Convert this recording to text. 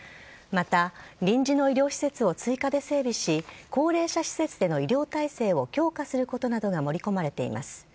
また、臨時の医療施設を追加で整備し、高齢者施設での医療体制を強化することなどが盛り込まれています。